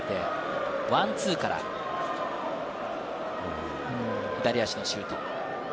ワンツーから左足のシュート。